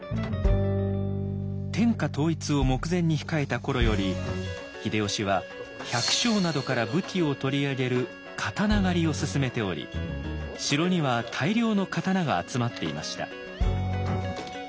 天下統一を目前に控えた頃より秀吉は百姓などから武器を取り上げる刀狩をすすめており城には大量の刀が集まっていました。